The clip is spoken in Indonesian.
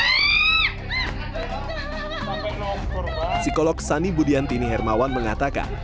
psikolog sani budiantini hermawan mengatakan